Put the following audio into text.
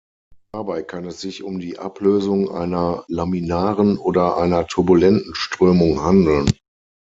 Dabei kann es sich um die Ablösung einer laminaren oder einer turbulenten Strömung handeln.